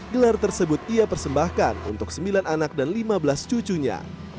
gelar tersebut ia persembahkan untuk sembilan anak dan lima belas cucunya